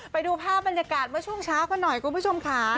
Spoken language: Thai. ไปดูภาพบรรยากาศเมื่อช่วงเช้ากันหน่อยคุณผู้ชมค่ะ